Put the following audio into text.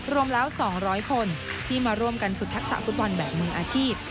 รวมแล้ว๒๐๐คนที่มาร่วมกันฝึกทักษะฟุตบอลแบบมืออาชีพ